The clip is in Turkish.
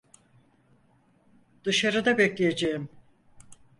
Dışarıda bekleyeceğim.